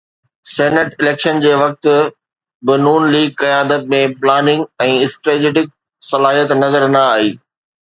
Senate election جي وقت به ن ليگ قيادت ۾ پلاننگ ۽ اسٽريٽجڪ صلاحيت نظر نه آئي.